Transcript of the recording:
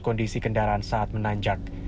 kondisi kendaraan saat menanjak